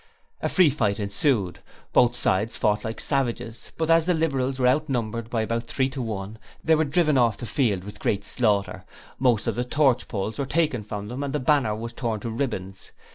A free fight ensued. Both sides fought like savages, but as the Liberals were outnumbered by about three to one, they were driven off the field with great slaughter; most of the torch poles were taken from them, and the banner was torn to ribbons.